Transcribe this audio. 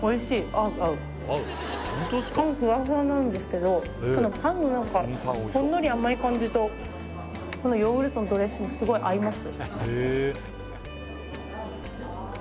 パンふわふわなんですけどこのパンのほんのり甘い感じとこのヨーグルトのドレッシングすごい合います